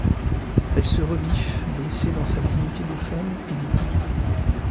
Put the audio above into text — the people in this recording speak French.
Elle se rebiffe, blessée dans sa dignité de femme et d’épouse.